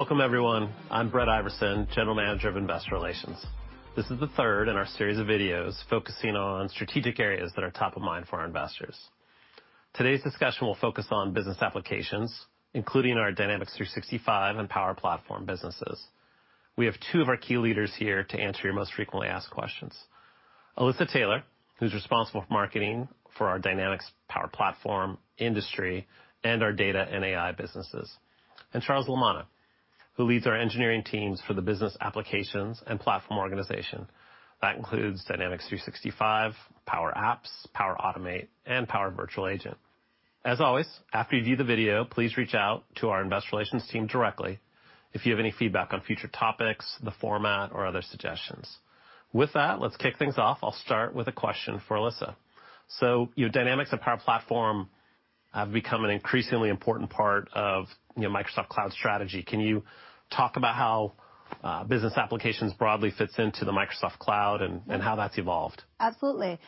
Welcome everyone. I'm Brett Iversen, General Manager of Investor Relations. This is the third in our series of videos focusing on strategic areas that are top of mind for our investors. Today's discussion will focus on business applications, including our Dynamics 365 and Power Platform businesses. We have two of our key leaders here to answer your most frequently asked questions. Alysa Taylor, who's responsible for marketing for our Dynamics Power Platform, industry, and our data and AI businesses. Charles Lamanna, who leads our engineering teams for the business applications and platform organization. That includes Dynamics 365, Power Apps, Power Automate, and Microsoft Copilot Studio. As always, after you view the video, please reach out to our Investor Relations team directly if you have any feedback on future topics, the format, or other suggestions. With that, let's kick things off. I'll start with a question for Alysa. Dynamics and Power Platform have become an increasingly important part of Microsoft Cloud strategy. Can you talk about how business applications broadly fits into the Microsoft Cloud and how that's evolved? Absolutely.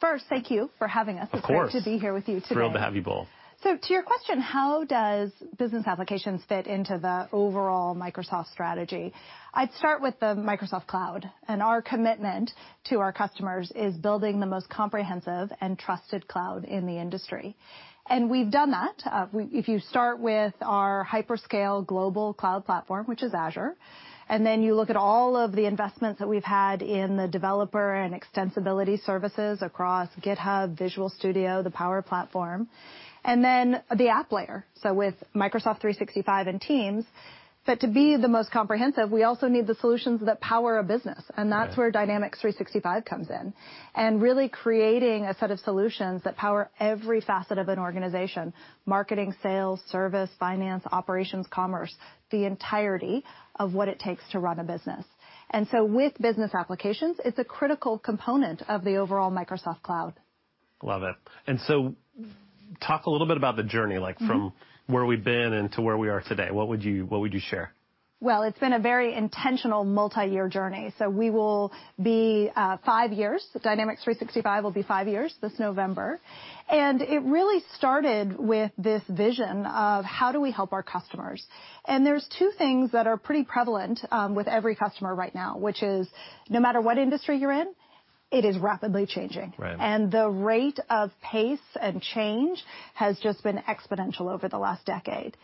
First, thank you for having us. Of course. It's great to be here with you today. Thrilled to have you both. To your question, how does business applications fit into the overall Microsoft strategy? I'd start with the Microsoft Cloud, and our commitment to our customers is building the most comprehensive and trusted cloud in the industry. We've done that. If you start with our hyperscale global cloud platform, which is Azure, and then you look at all of the investments that we've had in the developer and extensibility services across GitHub, Visual Studio, the Power Platform, and then the app layer, so with Microsoft 365 and Teams. To be the most comprehensive, we also need the solutions that power a business. Right. That's where Dynamics 365 comes in. Really creating a set of solutions that power every facet of an organization, marketing, sales, service, finance, operations, commerce, the entirety of what it takes to run a business. With business applications, it's a critical component of the overall Microsoft Cloud. Love it. Talk a little bit about the journey, like from where we've been and to where we are today. What would you share? Well, it's been a very intentional multi-year journey. We will be five years, Dynamics 365 will be five years this November. It really started with this vision of how do we help our customers? There's two things that are pretty prevalent with every customer right now, which is no matter what industry you're in, it is rapidly changing. Right. The rate of pace and change has just been exponential over the last decade.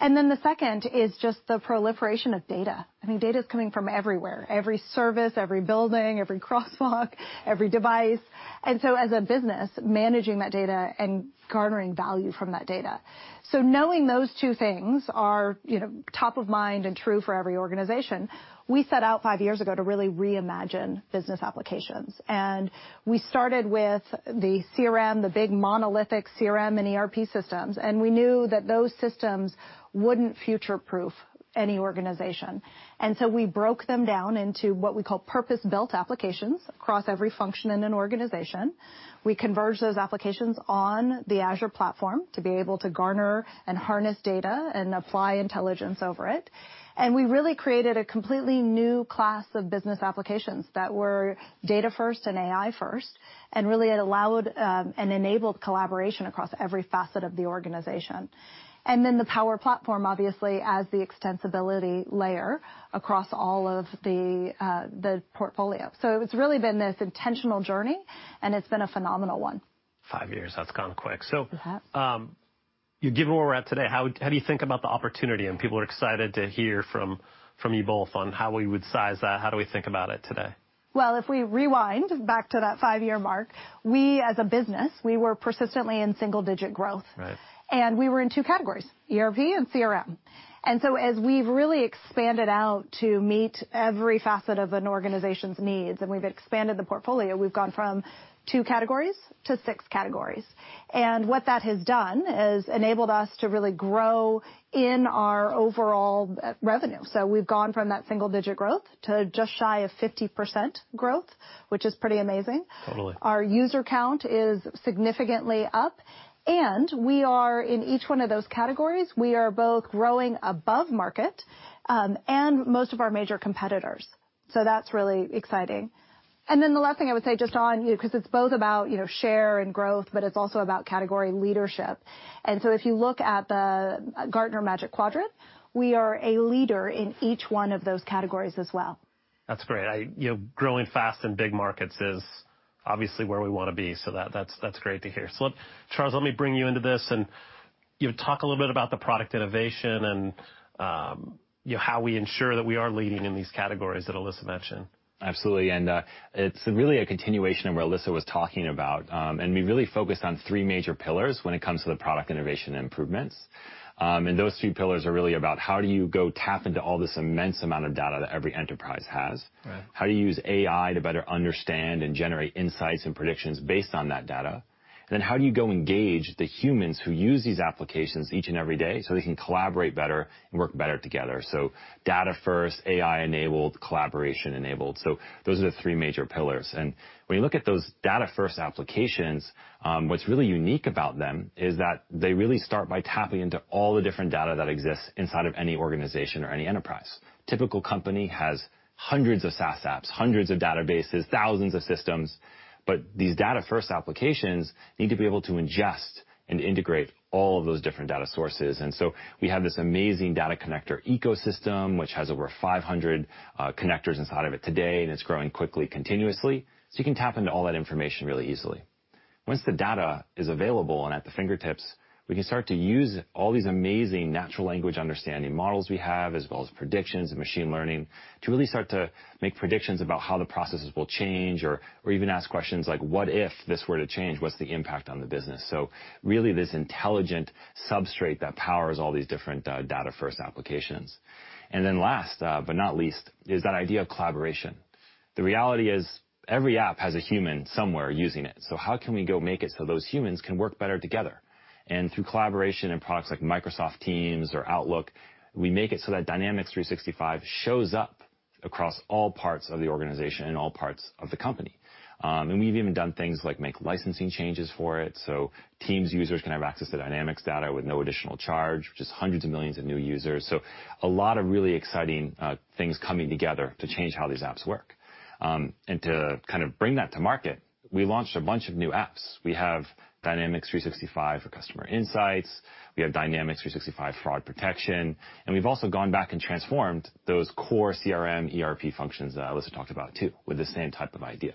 The second is just the proliferation of data. Data's coming from everywhere, every service, every building, every crosswalk, every device. As a business, managing that data and garnering value from that data. Knowing those two things are top of mind and true for every organization, we set out five years ago to really reimagine business applications. We started with the CRM, the big monolithic CRM and ERP systems, and we knew that those systems wouldn't future-proof any organization. We broke them down into what we call purpose-built applications across every function in an organization. We converged those applications on the Azure platform to be able to garner and harness data and apply intelligence over it. We really created a completely new class of business applications that were data first and AI first, and really it allowed, and enabled collaboration across every facet of the organization. The Power Platform, obviously, as the extensibility layer across all of the portfolio. It's really been this intentional journey, and it's been a phenomenal one. Five years, that's gone quick. It has. Given where we're at today, how do you think about the opportunity, and people are excited to hear from you both on how we would size that. How do we think about it today? Well, if we rewind back to that five-year mark, we, as a business, we were persistently in single-digit growth. Right. We were in two categories, ERP and CRM. As we've really expanded out to meet every facet of an organization's needs, and we've expanded the portfolio, we've gone from two categories to six categories. What that has done is enabled us to really grow in our overall revenue. We've gone from that single-digit growth to just shy of 50% growth, which is pretty amazing. Totally. Our user count is significantly up. We are in each one of those categories. We are both growing above market, and most of our major competitors. That's really exciting. The last thing I would say just on, because it's both about share and growth, but it's also about category leadership. If you look at the Gartner Magic Quadrant, we are a leader in each one of those categories as well. That's great. Growing fast in big markets is obviously where we want to be, so that's great to hear. Charles, let me bring you into this and talk a little bit about the product innovation and how we ensure that we are leading in these categories that Alysa mentioned. Absolutely. It's really a continuation of what Alysa was talking about. We really focus on three major pillars when it comes to the product innovation and improvements. Those three pillars are really about how do you go tap into all this immense amount of data that every enterprise has. Right. How do you use AI to better understand and generate insights and predictions based on that data? How do you go engage the humans who use these applications each and every day so they can collaborate better and work better together? Data-first, AI enabled, collaboration enabled. Those are the three major pillars. When you look at those data-first applications, what's really unique about them is that they really start by tapping into all the different data that exists inside of any organization or any enterprise. Typical company has hundreds of SaaS apps, hundreds of databases, thousands of systems. These data-first applications need to be able to ingest and integrate all of those different data sources. We have this amazing data connector ecosystem, which has over 500 connectors inside of it today, and it's growing quickly, continuously. You can tap into all that information really easily. Once the data is available and at the fingertips, we can start to use all these amazing natural language understanding models we have, as well as predictions and machine learning, to really start to make predictions about how the processes will change or even ask questions like, what if this were to change? What's the impact on the business? Really, this intelligent substrate that powers all these different data-first applications. Then last but not least is that idea of collaboration. The reality is every app has a human somewhere using it. How can we go make it so those humans can work better together? Through collaboration and products like Microsoft Teams or Outlook, we make it so that Dynamics 365 shows up across all parts of the organization and all parts of the company. We've even done things like make licensing changes for it, so Teams users can have access to Dynamics data with no additional charge, which is hundreds of millions of new users. A lot of really exciting things coming together to change how these apps work. To kind of bring that to market, we launched a bunch of new apps. We have Dynamics 365 Customer Insights, we have Dynamics 365 Fraud Protection, and we've also gone back and transformed those core CRM, ERP functions that Alysa talked about, too, with the same type of idea.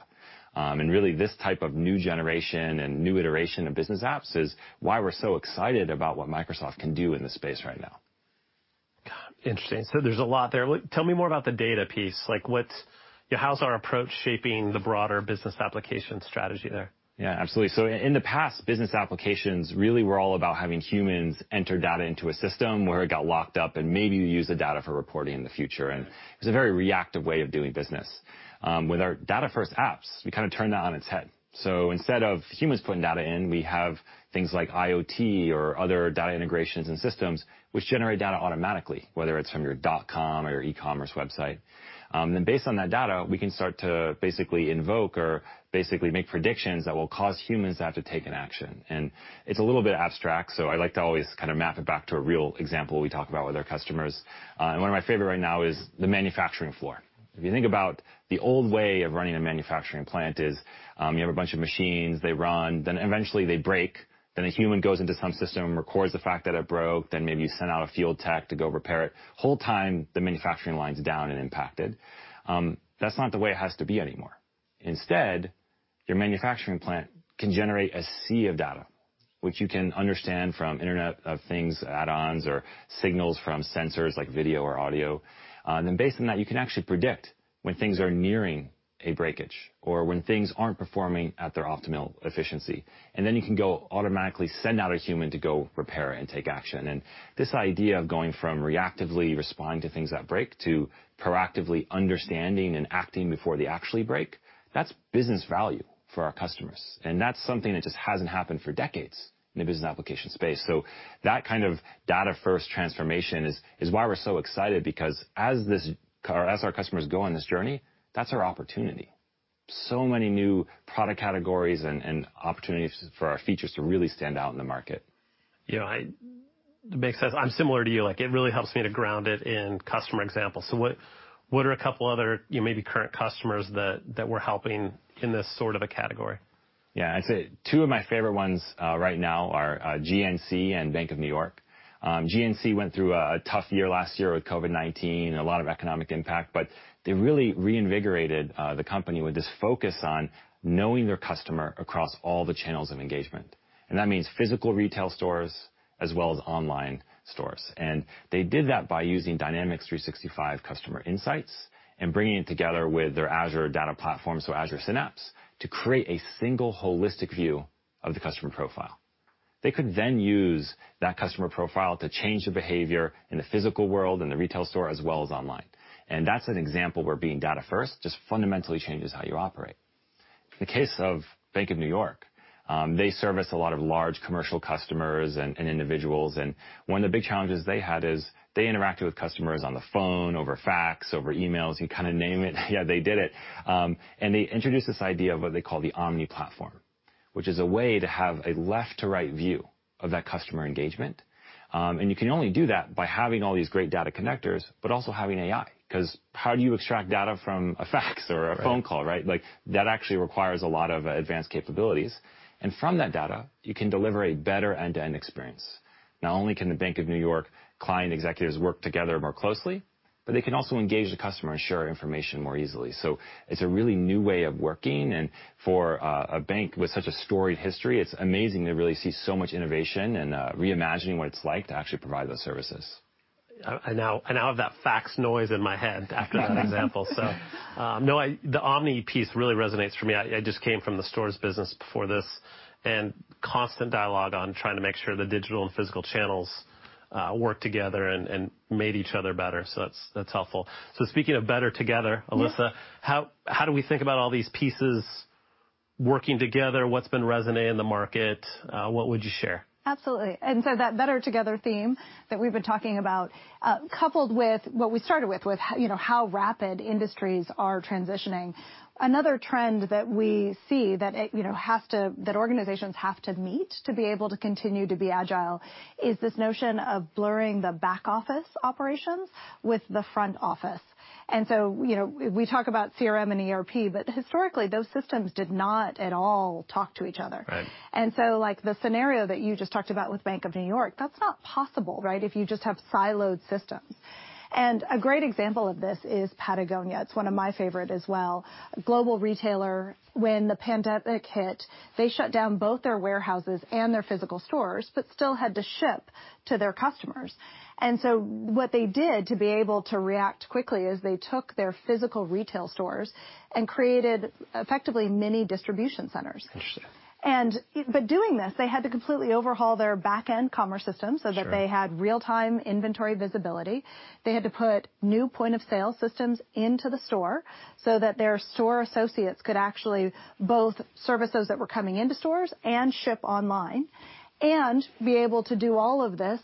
Really, this type of new generation and new iteration of business apps is why we're so excited about what Microsoft can do in this space right now. Good, interesting. There's a lot there. Tell me more about the data piece. How's our approach shaping the broader business application strategy there? Absolutely. In the past, business applications really were all about having humans enter data into a system where it got locked up and maybe you use the data for reporting in the future, and it was a very reactive way of doing business. With our data-first apps, we kind of turned that on its head. Instead of humans putting data in, we have things like IoT or other data integrations and systems which generate data automatically, whether it's from your dotcom or your e-commerce website. Based on that data, we can start to basically invoke or basically make predictions that will cause humans to have to take an action, and it's a little bit abstract, so I like to always kind of map it back to a real example we talk about with our customers. One of my favorite right now is the manufacturing floor. If you think about the old way of running a manufacturing plant is, you have a bunch of machines, they run, then eventually they break, then a human goes into some system, records the fact that it broke, then maybe you send out a field tech to go repair it. Whole time, the manufacturing line's down and impacted. That's not the way it has to be anymore. Instead, your manufacturing plant can generate a sea of data, which you can understand from Internet of Things add-ons or signals from sensors, like video or audio. Based on that, you can actually predict when things are nearing a breakage or when things aren't performing at their optimal efficiency, and then you can go automatically send out a human to go repair it and take action. This idea of going from reactively responding to things that break to proactively understanding and acting before they actually break, that's business value for our customers. That's something that just hasn't happened for decades in the business application space. That kind of data-first transformation is why we're so excited, because as our customers go on this journey, that's our opportunity. Many new product categories and opportunities for our features to really stand out in the market. It makes sense. I'm similar to you. It really helps me to ground it in customer examples. What are a couple other, maybe current customers that we're helping in this sort of a category? Yeah. I'd say two of my favorite ones right now are GNC and Bank of New York. GNC went through a tough year last year with COVID-19 and a lot of economic impact. They really reinvigorated the company with this focus on knowing their customer across all the channels of engagement, and that means physical retail stores as well as online stores. They did that by using Dynamics 365 Customer Insights and bringing it together with their Azure data platform, so Azure Synapse, to create a single holistic view of the customer profile. They could use that customer profile to change the behavior in the physical world, in the retail store, as well as online. That's an example where being data first just fundamentally changes how you operate. The case of Bank of New York, they service a lot of large commercial customers and individuals. One of the big challenges they had is they interacted with customers on the phone, over fax, over emails. You kind of name it, yeah, they did it. They introduced this idea of what they call the omni platform, which is a way to have a left to right view of that customer engagement. You can only do that by having all these great data connectors, but also having AI, because how do you extract data from a fax or a phone call, right? Right. That actually requires a lot of advanced capabilities. From that data, you can deliver a better end-to-end experience. Not only can the Bank of New York client executives work together more closely, but they can also engage the customer and share information more easily. It's a really new way of working. For a bank with such a storied history, it's amazing to really see so much innovation and reimagining what it's like to actually provide those services. Now I have that fax noise in my head after that example. No, the omni piece really resonates for me. I just came from the stores business before this, constant dialogue on trying to make sure the digital and physical channels work together and made each other better. That's helpful. Speaking of better together. Yeah Alysa, how do we think about all these pieces working together? What's been resonating in the market? What would you share? Absolutely. That better together theme that we've been talking about, coupled with what we started with, how rapid industries are transitioning, another trend that we see that organizations have to meet to be able to continue to be agile is this notion of blurring the back office operations with the front office. We talk about CRM and ERP, but historically, those systems did not at all talk to each other. Right. The scenario that you just talked about with Bank of New York, that's not possible, right, if you just have siloed systems. A great example of this is Patagonia. It's one of my favorite as well. Global retailer, when the pandemic hit, they shut down both their warehouses and their physical stores, but still had to ship to their customers. What they did to be able to react quickly is they took their physical retail stores and created effectively mini distribution centers. Interesting. Doing this, they had to completely overhaul their backend commerce system. Sure so that they had real-time inventory visibility. They had to put new point-of-sale systems into the store so that their store associates could actually both service those that were coming into stores and ship online and be able to do all of this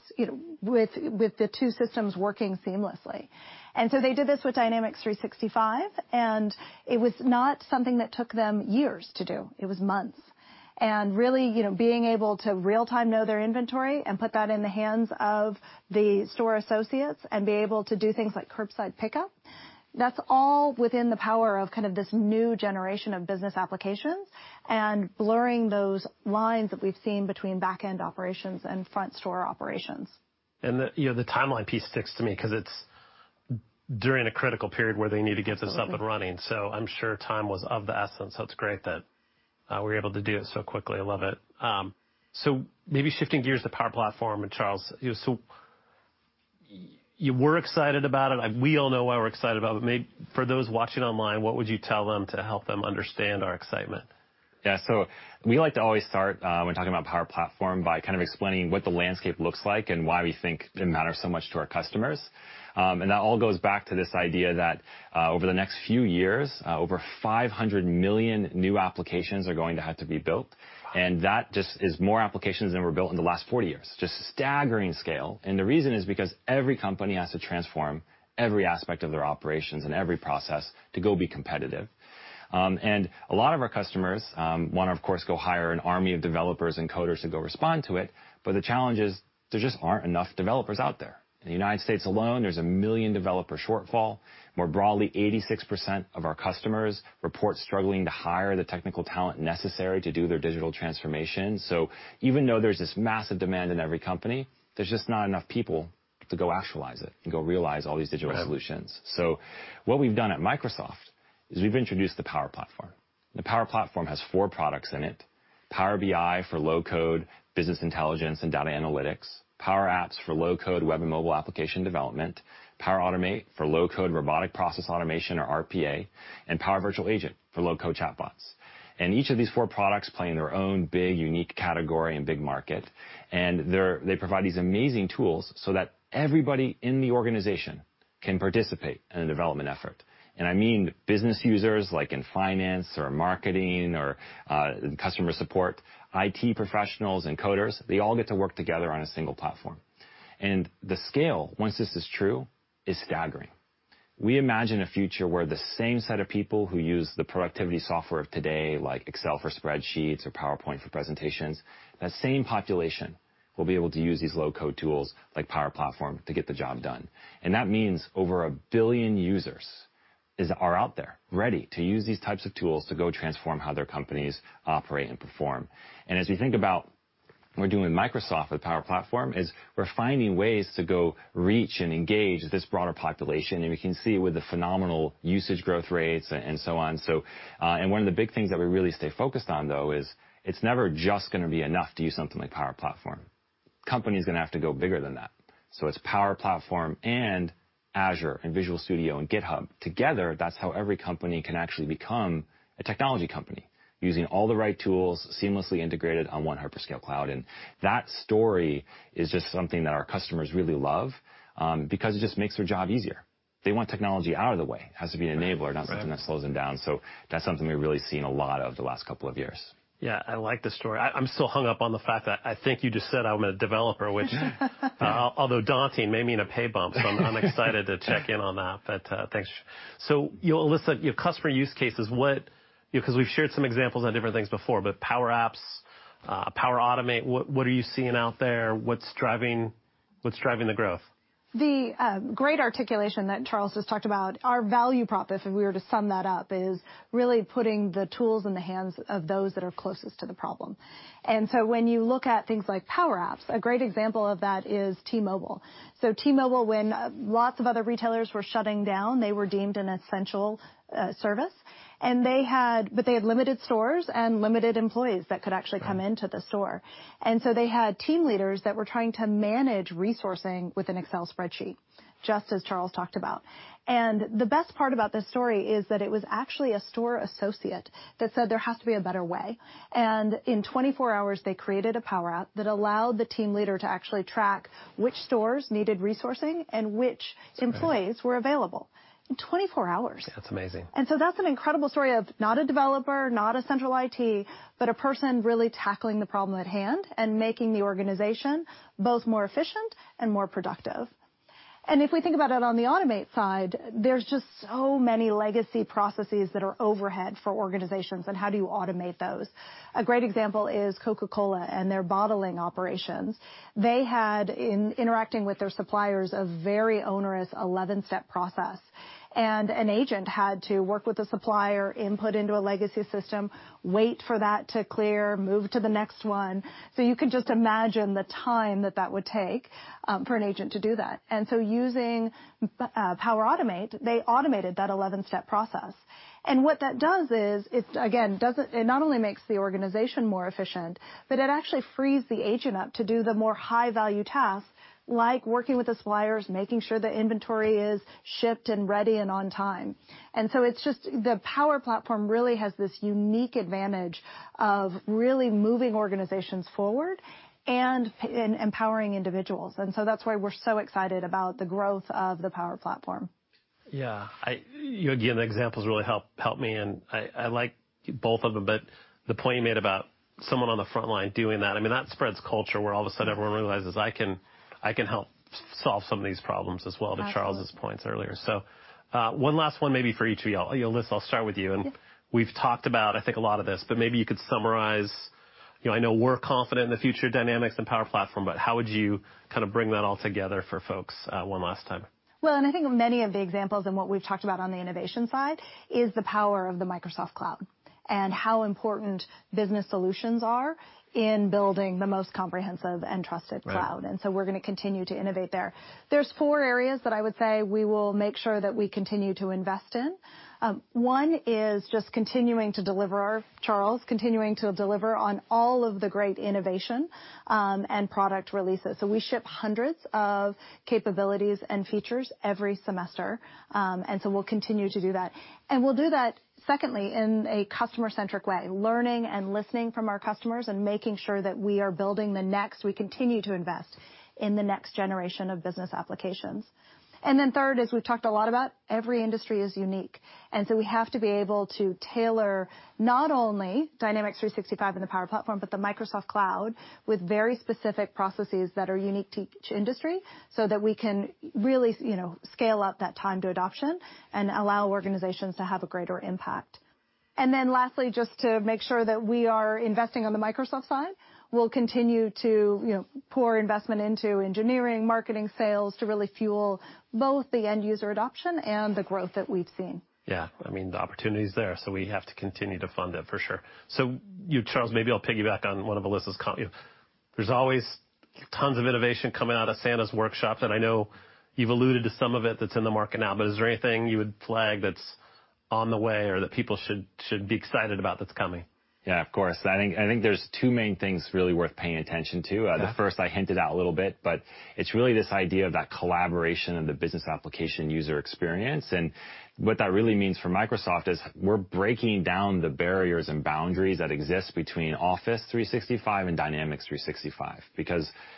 with the two systems working seamlessly. They did this with Dynamics 365, and it was not something that took them years to do. It was months. Really, being able to real time know their inventory and put that in the hands of the store associates and be able to do things like curbside pickup, that's all within the power of this new generation of business applications and blurring those lines that we've seen between backend operations and front store operations. The timeline piece sticks to me because it's during a critical period where they need to get this up and running. I'm sure time was of the essence, so it's great that we were able to do it so quickly. I love it. Maybe shifting gears to Power Platform, and Charles, so you were excited about it. We all know why we're excited about it, maybe for those watching online, what would you tell them to help them understand our excitement? Yeah. We like to always start when talking about Power Platform by explaining what the landscape looks like and why we think it matters so much to our customers. That all goes back to this idea that, over the next few years, over 500 million new applications are going to have to be built. Wow. That just is more applications than were built in the last 40 years. Just staggering scale. The reason is because every company has to transform every aspect of their operations and every process to go be competitive. A lot of our customers want to, of course, go hire an army of developers and coders to go respond to it, but the challenge is there just aren't enough developers out there. In the U.S. alone, there's a 1 million developer shortfall. More broadly, 86% of our customers report struggling to hire the technical talent necessary to do their digital transformation. Even though there's this massive demand in every company, there's just not enough people to go actualize it and go realize all these digital solutions. Right. What we've done at Microsoft is we've introduced the Power Platform. The Power Platform has four products in it, Power BI for low-code business intelligence and data analytics, Power Apps for low-code web and mobile application development, Power Automate for low-code robotic process automation or RPA, and Power Virtual Agent for low-code chatbots. Each of these four products play in their own big, unique category and big market, and they provide these amazing tools so that everybody in the organization can participate in a development effort. I mean business users like in finance or marketing or customer support, IT professionals and coders, they all get to work together on a one platform. The scale, once this is true, is staggering. We imagine a future where the same set of people who use the productivity software of today, like Excel for spreadsheets or PowerPoint for presentations, that same population will be able to use these low-code tools like Power Platform to get the job done. That means over 1 billion users are out there ready to use these types of tools to go transform how their companies operate and perform. As we think about what we're doing with Microsoft with Power Platform is we're finding ways to go reach and engage this broader population, and we can see with the phenomenal usage growth rates and so on. One of the big things that we really stay focused on, though, is it's never just going to be enough to use something like Power Platform. Company's going to have to go bigger than that. It's Power Platform and Azure and Visual Studio and GitHub. Together, that's how every company can actually become a technology company, using all the right tools seamlessly integrated on one hyperscale cloud. That story is just something that our customers really love, because it just makes their job easier. They want technology out of the way. It has to be an enabler, not something that slows them down. That's something we've really seen a lot of the last couple of years. I like the story. I'm still hung up on the fact that I think you just said I'm a developer, which, although daunting, may mean a pay bump, so I'm excited to check in on that. Thanks. Alysa, your customer use cases, because we've shared some examples on different things before, but Power Apps, Power Automate, what are you seeing out there? What's driving the growth? The great articulation that Charles just talked about, our value prop, if we were to sum that up, is really putting the tools in the hands of those that are closest to the problem. When you look at things like Power Apps, a great example of that is T-Mobile. T-Mobile, when lots of other retailers were shutting down, they were deemed an essential service. They had limited stores and limited employees that could actually come into the store. They had team leaders that were trying to manage resourcing with an Excel spreadsheet, just as Charles talked about. The best part about this story is that it was actually a store associate that said there has to be a better way. In 24 hours, they created a Power App that allowed the team leader to actually track which stores needed resourcing and which employees were available. In 24 hours. That's amazing. That's an incredible story of not a developer, not a central IT, but a person really tackling the problem at hand and making the organization both more efficient and more productive. If we think about it on the Automate side, there's just so many legacy processes that are overhead for organizations, and how do you automate those? A great example is Coca-Cola and their bottling operations. They had, in interacting with their suppliers, a very onerous 11-step process, and an agent had to work with the supplier, input into a legacy system, wait for that to clear, move to the next one. You can just imagine the time that that would take for an agent to do that. Using Power Automate, they automated that 11-step process. What that does is it, again, it not only makes the organization more efficient, but it actually frees the agent up to do the more high-value tasks, like working with the suppliers, making sure the inventory is shipped and ready and on time. It's just the Power Platform really has this unique advantage of really moving organizations forward and empowering individuals. That's why we're so excited about the growth of the Power Platform. Yeah. Again, the examples really help me, and I like both of them, but the point you made about someone on the frontline doing that, I mean, that spreads culture, where all of a sudden everyone realizes, I can help solve some of these problems as well, to Charles' points earlier. One last one maybe for each of y'all. Alysa, I'll start with you. Yeah. We've talked about, I think, a lot of this, but maybe you could summarize. I know we're confident in the future of Dynamics and Power Platform, but how would you kind of bring that all together for folks one last time? Well, I think many of the examples and what we've talked about on the innovation side is the power of the Microsoft Cloud and how important business solutions are in building the most comprehensive and trusted cloud. Right. We're going to continue to innovate there. There's four areas that I would say we will make sure that we continue to invest in. One is just continuing to deliver, Charles, continuing to deliver on all of the great innovation and product releases. We ship hundreds of capabilities and features every semester, we'll continue to do that. We'll do that, secondly, in a customer-centric way, learning and listening from our customers and making sure that we continue to invest in the next generation of business applications. Third is, we've talked a lot about, every industry is unique, we have to be able to tailor not only Dynamics 365 and the Power Platform, but the Microsoft Cloud with very specific processes that are unique to each industry so that we can really scale out that time to adoption and allow organizations to have a greater impact. Lastly, just to make sure that we are investing on the Microsoft side, we'll continue to pour investment into engineering, marketing, sales, to really fuel both the end user adoption and the growth that we've seen. Yeah. I mean, the opportunity's there, we have to continue to fund it, for sure. You, Charles, maybe I'll piggyback on one of Alysa's. There's always tons of innovation coming out of Santa's workshop, and I know you've alluded to some of it that's in the market now, but is there anything you would flag that's on the way or that people should be excited about that's coming? Yeah, of course. I think there's two main things really worth paying attention to. Yeah. The first I hinted at a little bit, but it's really this idea of that collaboration and the business application user experience. What that really means for Microsoft is we're breaking down the barriers and boundaries that exist between Office 365 and Dynamics 365.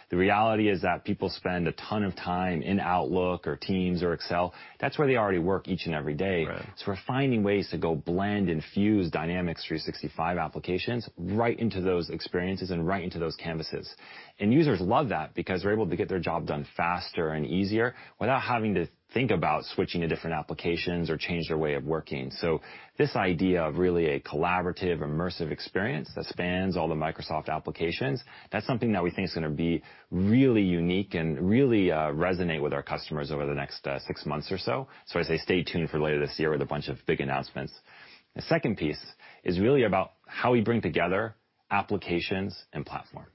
The reality is that people spend a ton of time in Outlook or Teams or Excel. That's where they already work each and every day. Right. We're finding ways to go blend and fuse Dynamics 365 applications right into those experiences and right into those canvases. Users love that because they're able to get their job done faster and easier without having to think about switching to different applications or change their way of working. This idea of really a collaborative, immersive experience that spans all the Microsoft applications, that's something that we think is going to be really unique and really resonate with our customers over the next 6 months or so. I say stay tuned for later this year with a bunch of big announcements. The second piece is really about how we bring together applications and platform.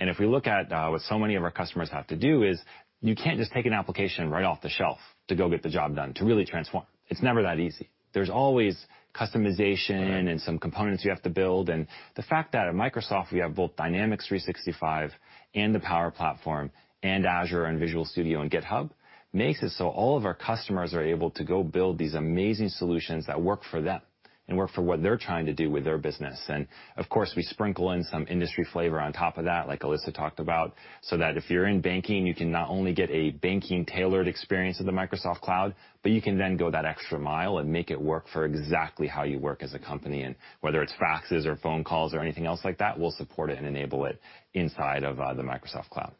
If we look at what so many of our customers have to do is, you can't just take an application right off the shelf to go get the job done, to really transform. It's never that easy. There's always customization. Right Some components you have to build. The fact that at Microsoft, we have both Dynamics 365 and the Power Platform and Azure and Visual Studio and GitHub makes it so all of our customers are able to go build these amazing solutions that work for them and work for what they're trying to do with their business. Of course, we sprinkle in some industry flavor on top of that, like Alysa talked about, so that if you're in banking, you can not only get a banking-tailored experience of the Microsoft Cloud, but you can then go that extra mile and make it work for exactly how you work as a company. Whether it's faxes or phone calls or anything else like that, we'll support it and enable it inside of the Microsoft Cloud.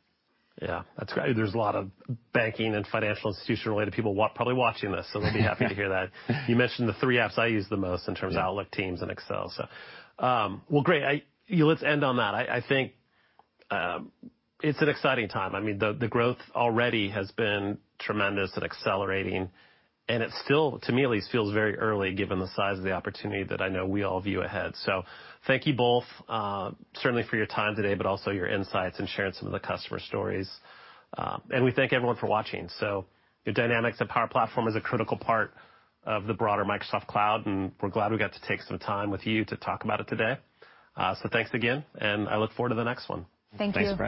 Yeah. That's great. There's a lot of banking and financial institution-related people probably watching this, so they'll be happy to hear that. You mentioned the three apps I use the most in terms of Outlook, Teams, and Excel. Well, great. Let's end on that. I think it's an exciting time. I mean, the growth already has been tremendous and accelerating, and it still, to me at least, feels very early given the size of the opportunity that I know we all view ahead. Thank you both, certainly for your time today, but also your insights and sharing some of the customer stories. We thank everyone for watching. The Dynamics and Power Platform is a critical part of the broader Microsoft Cloud, and we're glad we got to take some time with you to talk about it today. Thanks again, and I look forward to the next one. Thank you. Thanks, Brett.